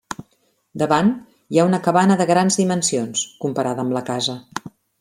Davant hi ha una cabana de grans dimensions, comparada amb la casa.